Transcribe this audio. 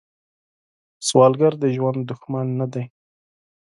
سوالګر د ژوند دښمن نه دی